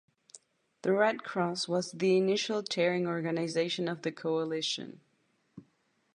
The Red Cross was the initial chairing organization of the coalition.